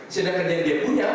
sedangkan yang dia punya